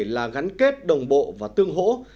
là gắn kết đồng bộ và tương hỗ